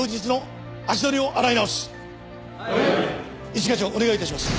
一課長お願い致します。